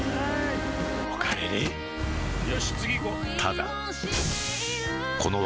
おかえりよし次行こう！